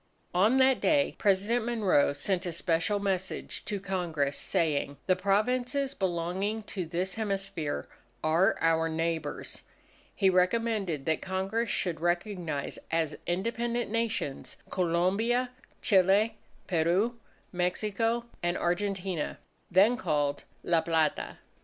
On that day President Monroe sent a special message to Congress saying, "the Provinces belonging to this hemisphere are our neighbours." He recommended that Congress should recognize as independent Nations, Colombia, Chile, Peru, Mexico, and Argentina, then called La Plata.